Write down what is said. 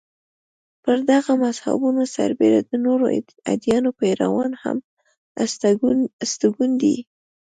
پر دغو مذهبونو سربېره د نورو ادیانو پیروان هم استوګن دي.